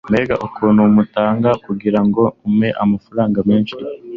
mbega ukuntu mutanga kugirango umpe amafaranga menshi